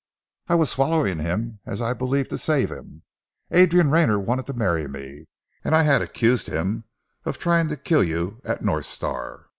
"I was following him, as I believed, to save him. Adrian Rayner wanted to marry me, and I had accused him of trying to kill you at North Star.